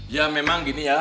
ya memang gini ya